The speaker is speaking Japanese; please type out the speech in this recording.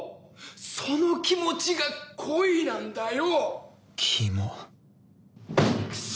その気持ちが恋なんだよ。